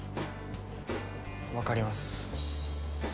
分かります。